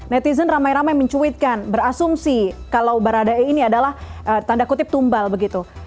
netizen ramai ramai mencuitkan berasumsi kalau baradae ini adalah tanda kutip tumbal begitu